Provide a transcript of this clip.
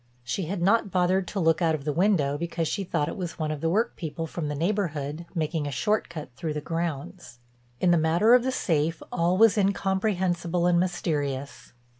She had not bothered to look out of the window because she thought it was one of the work people from the neighborhood, making a short cut through the grounds. In the matter of the safe all was incomprehensible and mysterious.